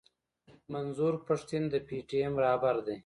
منظور پښتين د پي ټي ايم راهبر دی.